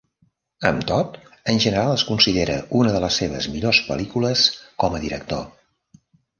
Amb tot, en general es considera una de les seves millors pel·lícules com a director.